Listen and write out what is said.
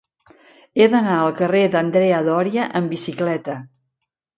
He d'anar al carrer d'Andrea Doria amb bicicleta.